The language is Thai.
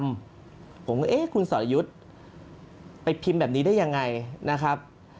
ผมก็เอ๊ะคุณสอรยุทธ์ไปพิมพ์แบบนี้ได้ยังไงนะครับ